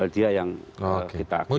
dia yang kita